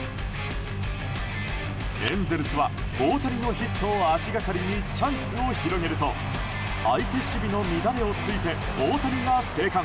エンゼルスは大谷のヒットを足掛かりにチャンスを広げると相手守備の乱れを突いて大谷が生還。